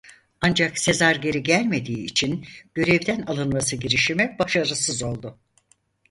Ancak Sezar geri gelmediği için görevden alınması girişimi başarısız oldu.